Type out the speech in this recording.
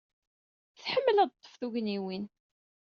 Tḥemmel ad d-teḍḍef tugniwin.